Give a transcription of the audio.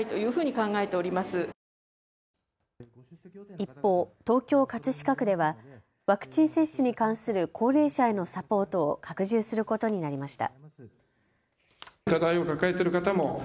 一方、東京葛飾区ではワクチン接種に関する高齢者へのサポートを拡充することになりました。